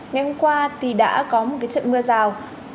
ngày hôm qua thì đã có một trận mưa rào